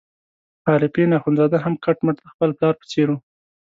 عارفین اخندزاده هم کټ مټ د خپل پلار په څېر وو.